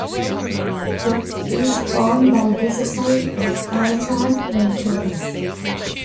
It is owned by the Society of Merchant Venturers.